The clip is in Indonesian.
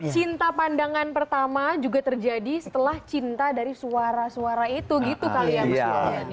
cinta pandangan pertama juga terjadi setelah cinta dari suara suara itu gitu kali ya mas yani